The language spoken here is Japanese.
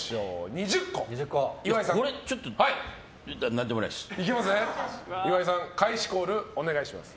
２０個、岩井さん開始コールをお願いします。